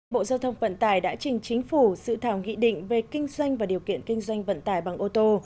bộ giao thông vận tải đã trình chính phủ sự thảo nghị định về kinh doanh và điều kiện kinh doanh vận tải bằng ô tô